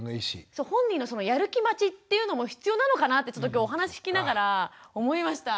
そう本人のやる気待ちっていうのも必要なのかなってちょっと今日お話聞きながら思いました。